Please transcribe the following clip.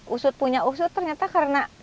usut punya usut ternyata karena